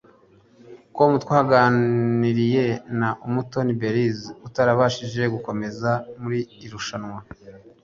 com twaganiriye na Umutoni Belise utarabashije gukomeza muri iri rushanwa